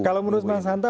kalau menurut mas santa